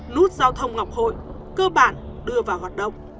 nút giao thông ngọc hội cơ bản đưa vào hoạt động